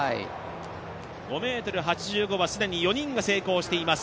５ｍ８５は既に４人が成功しています。